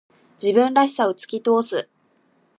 自分らしさを突き通す。